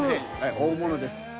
大物です。